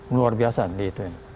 luar biasa di itu